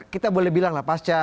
kita boleh bilang lah pasca